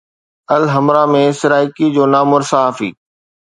الحمراء ۾ سرائڪي جو نامور صحافي